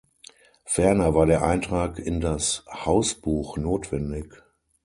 Ferner war der Eintrag in das Hausbuch notwendig.